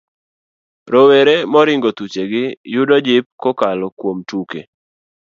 Rowere moringo thuchegi yudo jip kokalo kuom tuke.